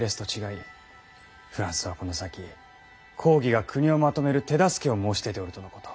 フランスはこの先公儀が国をまとめる手助けを申し出ておるとのこと。